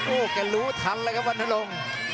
โอ้ก็รู้ทันเลยครับวันนายลง